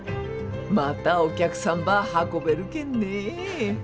またお客さんば運べるけんね。